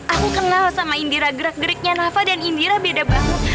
aku kenal sama indira gerak geriknya nava dan indira beda banget